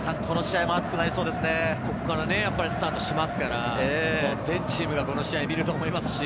ここからスタートしますから、全チームがこの試合を見ると思います。